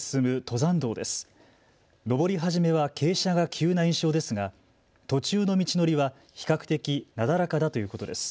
登り始めは傾斜が急な印象ですが途中の道のりは比較的なだらかだということです。